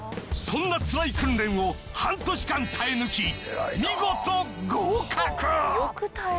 そんなつらい訓練を半年間耐え抜き。